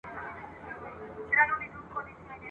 څو ښکلیو او رنګینو ونو ته نظر واوښت !.